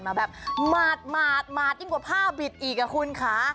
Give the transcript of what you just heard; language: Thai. แบบหมาดยิ่งกว่าผ้าบิดอีกอ่ะคุณค่ะ